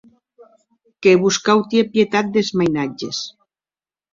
Que vos cau tier pietat des mainatges.